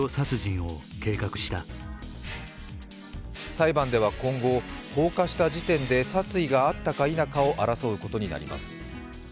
裁判では今後、放火した時点で殺意があったか否かを争うことになります。